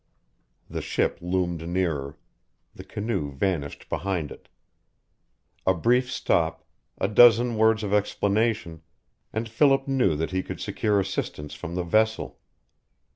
The ship loomed nearer; the canoe vanished behind it. A brief stop, a dozen words of explanation, and Philip knew that he could secure assistance from the vessel.